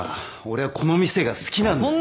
俺はこの店が好きなんだよ。